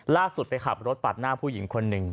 ล่าสุดไปขับรถปาดหน้าผู้หญิงคนหนึ่ง